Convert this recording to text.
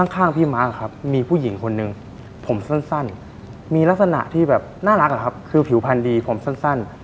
ข้างพี่ม้าครับมีผู้หญิงคนหนึ่งผมสั้นมีลักษณะที่แบบน่ารักอะครับคือผิวพันธ์ดีผมสั้น